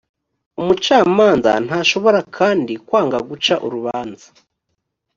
umucamanza ntashobora kandi kwanga guca urubanza